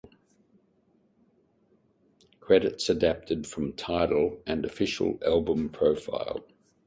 Credits adapted from Tidal and official album profile.